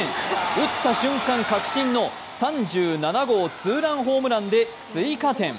打った瞬間、確信の３７号ツーランホームランで追加点。